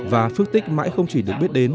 và phước tích mãi không chỉ được biết đến